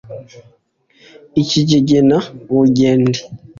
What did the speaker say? i kigegena-bungeri,